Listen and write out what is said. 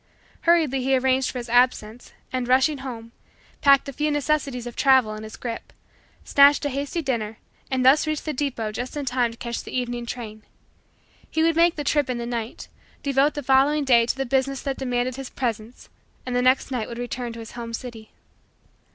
Hurriedly he arranged for his absence, and, rushing home, packed a few necessities of travel in his grip, snatched a hasty dinner, and thus reached the depot just in time to catch the evening train. He would make the trip in the night, devote the following day to the business that demanded his presence, and the next night would return to his home city.